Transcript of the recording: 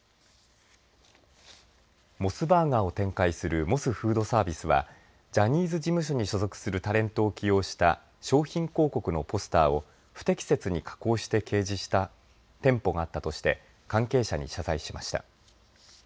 モスバーガーを展開するモスフードサービスはジャニーズ事務所に所属するタレントを起用した商品広告のポスターを不適切に加工して掲示した店舗があったとして関係者に謝罪しました。